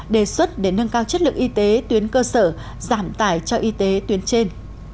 đề xuất để nâng cao chất lượng y tế tuyến cơ sở giảm tải cho y tế tuyến trên